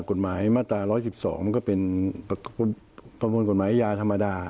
กฎหมายมาตรา๑๑๒มันก็เป็นประมวลกฎหมายยาธรรมดา